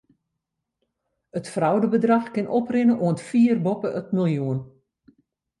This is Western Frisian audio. It fraudebedrach kin oprinne oant fier boppe it miljoen.